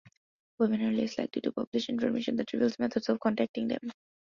Women are less likely to publish information that reveals methods of contacting them.